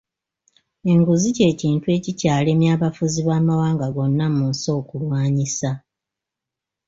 Enguzi ky’ekintu ekikyalemye abafuzi bamawanga gonna mu nsi okulwanyisa.